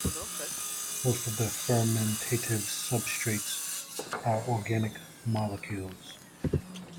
Most of the fermentative substrates are organic molecules.